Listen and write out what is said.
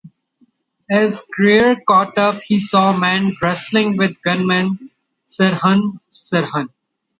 As Grier caught up he saw men wrestling with gunman Sirhan Sirhan.